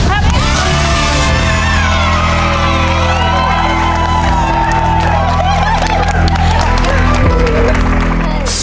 โผพิว